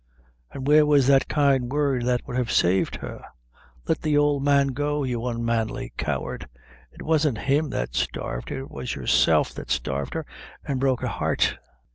and where was that kind word that would have saved her? Let the old man go, you unmanly coward; it wasn't him that starved her it was yourself that starved her, and broke her heart!"